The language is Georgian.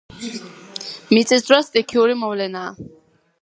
მიწისძვრა სტიქიური მოვლენაა